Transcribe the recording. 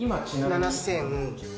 ７，９００円。